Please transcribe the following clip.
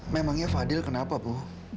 memangnya fadil kenapa bu